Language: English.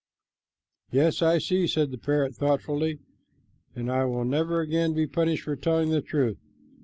"Yes, I see," said the parrot thoughtfully, "and I will never again be punished for telling the truth.